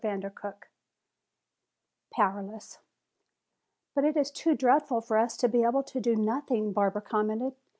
CHAPTER XV Powerless "But it is too dreadful for us to be able to do nothing," Barbara commented.